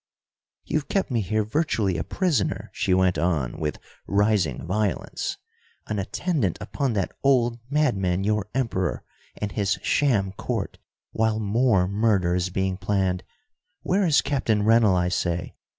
"You've kept me here virtually a prisoner," she went on, with rising violence, "an attendant upon that old madman, your Emperor, and his sham court, while more murder is being planned. Where is Captain Rennell, I say?"